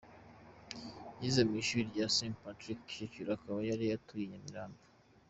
Yize mu ishuri rya Saint Patrick Kicukiro akaba yari atuye i Nyamirambo.